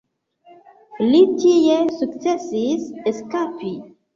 Li tie sukcesis eskapi.